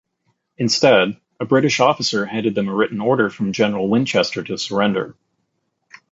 Instead, a British officer handed them a written order from General Winchester to surrender.